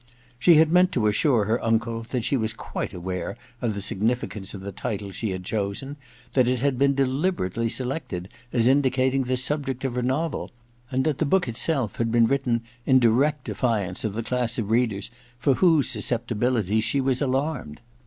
She had meant to assure her uncle that she was quite aware of the significance of the title she had chosen, that it had been deliberately selected as indicating the subject of her novel, and that the book itself had been written in direct defiance of 94 EXPIATION ii the class of readers for whose susceptibilities he was alarmed.